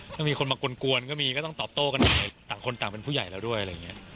ถ้ามีคนมากวนก็มีก็ต้องตอบโต้กันหน่อยต่างคนต่างเป็นผู้ใหญ่แล้วด้วยอะไรอย่างนี้